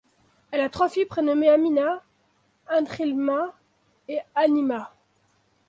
Elle a trois filles, prénommées Amina, Ankhilmaa et Anima.